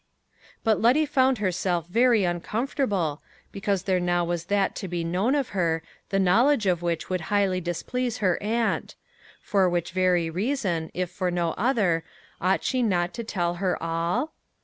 But Letty found herself very uncomfortable, because there now was that to be known of her, the knowledge of which would highly displease her aunt for which very reason, if for no other, ought she not to tell her all?